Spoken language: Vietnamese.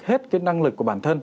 hết cái năng lực của bản thân